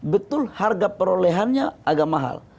betul harga perolehannya agak mahal